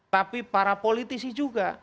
tapi para politisi juga